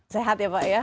sehat ya pak ya